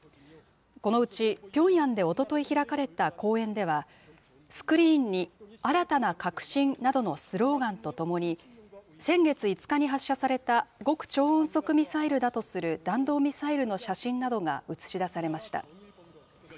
このうちピョンヤンでおととい開かれた公演では、スクリーンに新たな革新などのスローガンとともに、先月５日に発射された極超音速ミサイルだとする弾道ミサイルの写真などが映し出されました。